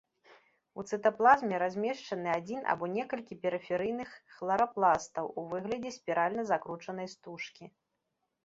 У цытаплазме размешчаны адзін або некалькі перыферыйных хларапластаў у выглядзе спіральна закручанай стужкі.